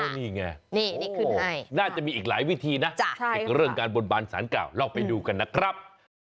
นี่ไงน่าจะมีอีกหลายวิธีนะเรื่องการบนบานสารกล่าวลอกไปดูกันนะครับ